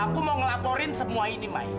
aku mau ngelaporin semua ini mai